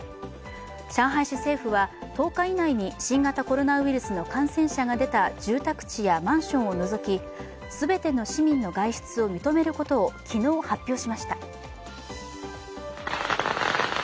上海市政府は１０日以内に新型コロナウイルスの感染者が出た住宅地やマンションを除き全ての市民の外出を認めることを昨日発表しました。